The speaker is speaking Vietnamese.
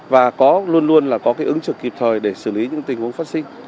và có luôn luôn là có ứng trực kịp thời để xử lý những tình huống phát sinh